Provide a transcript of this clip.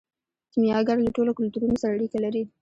کیمیاګر له ټولو کلتورونو سره اړیکه لري.